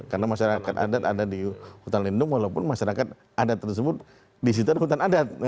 karena masyarakat adat ada di hutan lindung walaupun masyarakat adat tersebut disitu ada hutan adat